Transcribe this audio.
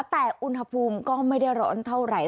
แต่อุณหภูมิก็ไม่ได้ร้อนเท่าไหร่